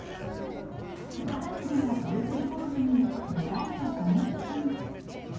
カラフルなてるてる坊主に願いを込める人が。